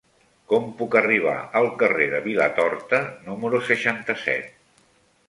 Com puc arribar al carrer de Vilatorta número seixanta-set?